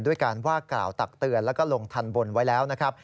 ด้วยการว่ากล่าวตักเตือนแล้วก็ลงทันบนไว้แล้วนะครับ